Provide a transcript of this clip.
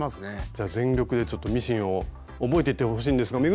じゃあ全力でちょっとミシンを覚えていってほしいんですが運